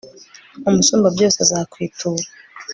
umusumbabyose azakwitura